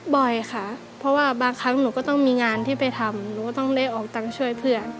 บ่อยค่ะเพราะว่าบางครั้งหนูก็ต้องมีงานที่ไปทำหนูก็ต้องได้ออกตังค์ช่วยเพื่อน